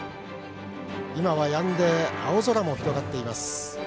今は、やんで青空も広がっています。